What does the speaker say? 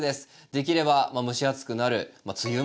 できれば蒸し暑くなる梅雨前ごろにですね